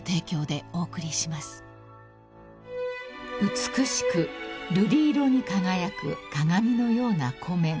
［美しく瑠璃色に輝く鏡のような湖面］